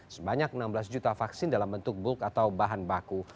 sebanyak enam belas juta vaksin dalam bentuk bulk atau bahan baku